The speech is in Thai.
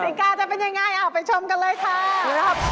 กระติกาจะเป็นยังไงออกไปชมกันเลยค่ะ